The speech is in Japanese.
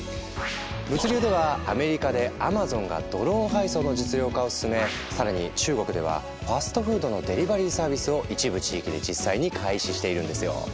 物流ではアメリカでＡｍａｚｏｎがドローン配送の実用化を進め更に中国ではファストフードのデリバリーサービスを一部地域で実際に開始しているんですよ。